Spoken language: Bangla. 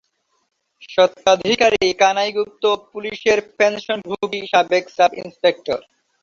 স্বত্বাধিকারী কানাই গুপ্ত, পুলিসের পেনশনভোগী সাবেক সাব-ইনস্পেক্টর।